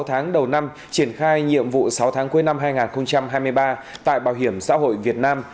sáu tháng đầu năm triển khai nhiệm vụ sáu tháng cuối năm hai nghìn hai mươi ba tại bảo hiểm xã hội việt nam